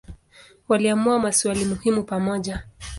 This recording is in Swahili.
Waliamua maswali muhimu pamoja.